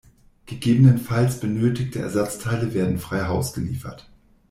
Gegebenenfalls benötigte Ersatzteile werden frei Haus geliefert.